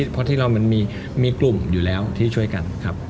เพราะที่เรามันมีกลุ่มอยู่แล้วที่ช่วยกันครับ